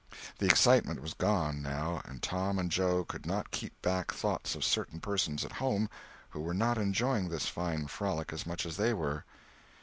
The excitement was gone, now, and Tom and Joe could not keep back thoughts of certain persons at home who were not enjoying this fine frolic as much as they were.